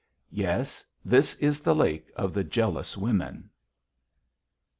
"Yes, this is the Lake of the Jealous Women!"